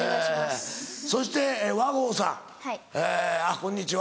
そして和合さんあっこんにちは。